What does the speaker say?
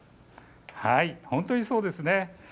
本当にそうですね。